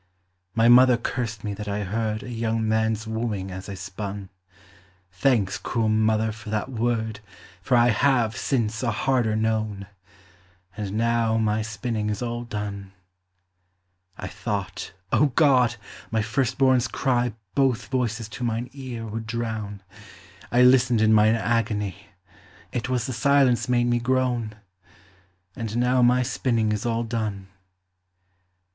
My mother cursed me that I heard A young man's wooing as I spun: Thanks, cruel mother, for that word, For I have, since, a harder known! And now my spinning is all done. I thought, O God! my first born's cry Both voices to mine ear would drown: I listened in mine agony, It was the silence made me groan! And now my spinning is all done.